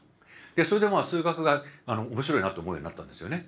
それで数学が面白いなと思うようになったんですよね。